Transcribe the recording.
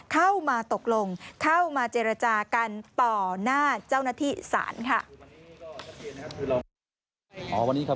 เข้ามาตกลงเข้ามาเจรจากันต่อหน้าเจ้าหน้าที่ศาลค่ะ